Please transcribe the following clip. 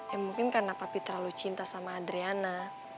ya mungkin karena papi terlalu cinta sama adriana